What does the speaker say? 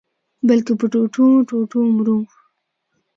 بلکي په ټوټو-ټوټو مرو